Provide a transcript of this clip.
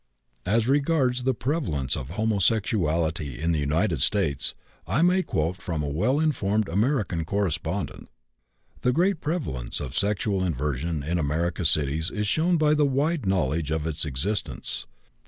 As regards the prevalence of homosexuality in the United States, I may quote from a well informed American correspondent: "The great prevalence of sexual inversion in American cities is shown by the wide knowledge of its existence.